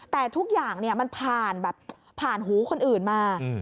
แต่ทุกอย่างมันผ่านหูคนอื่นมา